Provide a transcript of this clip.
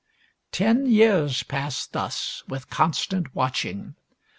Ten years passed thus with constant watching.